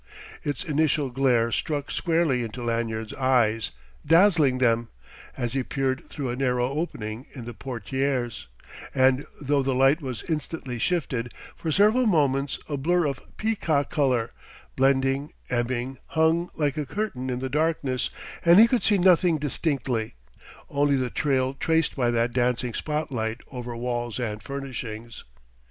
Its initial glare struck squarely into Lanyard's eyes, dazzling them, as he peered through a narrow opening in the portières; and though the light was instantly shifted, for several moments a blur of peacock colour, blending, ebbing, hung like a curtain in the darkness, and he could see nothing distinctly only the trail traced by that dancing spot light over walls and furnishings.